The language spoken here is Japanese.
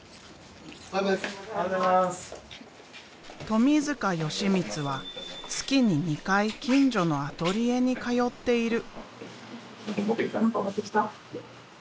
富純光は月に２回近所のアトリエに通っている。